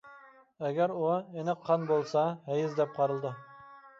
ئەگەر ئۇ ئېنىق قان بولسا ھەيز دەپ قارىلىدۇ.